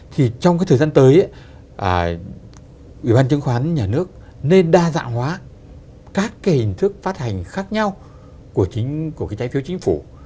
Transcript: thì trong cái thời gian tới ủy ban chứng khoán nhà nước nên đa dạng hóa các cái hình thức phát hành khác nhau của cái trái phiếu chính phủ